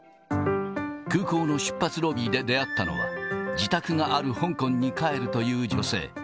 空港の出発ロビーで出会ったのは、自宅がある香港に帰るという女性。